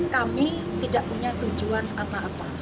kami tidak punya tujuan apa apa